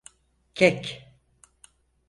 Kek…